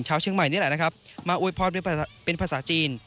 เชียงใหม่นี่แหละนะครับมาอวยพรเป็นภาษาจีน